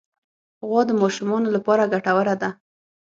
غوا د ماشومانو لپاره ګټوره ده.